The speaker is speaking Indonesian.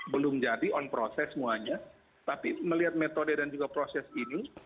belum jadi on proses semuanya tapi melihat metode dan juga proses ini